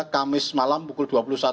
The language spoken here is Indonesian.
kamis malam pukul dua puluh satu